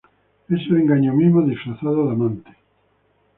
Es el engaño mismo disfrazado de amante.